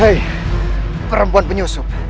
hei perempuan penyusup